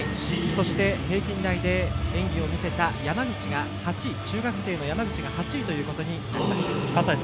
そして、平均台で演技を見せた中学生の山口が８位ということになりました。